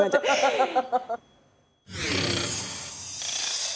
ハハハハ！